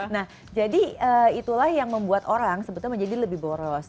nah jadi itulah yang membuat orang sebetulnya menjadi lebih boros